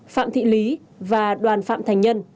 phạm thị lý và đoàn phạm thành nhân